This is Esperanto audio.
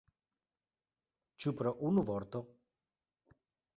Ĉu pro unu vorto?